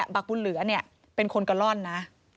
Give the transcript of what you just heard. บักบุญเหลือเนี่ยเป็นคนกะล่อนนะ